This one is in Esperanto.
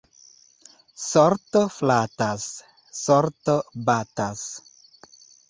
Sorto flatas, sorto batas.